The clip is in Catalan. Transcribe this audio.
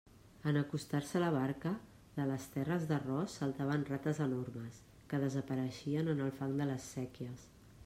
En acostar-se la barca, de les terres d'arròs saltaven rates enormes, que desapareixien en el fang de les séquies.